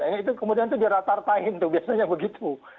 ini itu kemudian itu diratartain tuh biasanya begitu